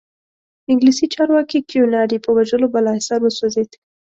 د انګلیسي چارواکي کیوناري په وژلو بالاحصار وسوځېد.